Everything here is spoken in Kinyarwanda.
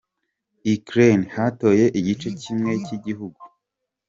Ukraine: Hatoye igice kimwe cy’ igihugu .